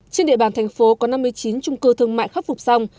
trên địa bàn thành phố có năm mươi chín trung cư thương mại khắc phục xong